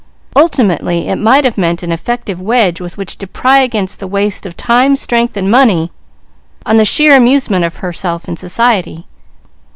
Ultimately it might have meant an effective wedge with which to pry against the waste of time, strength and money on the sheer amusement of herself in society.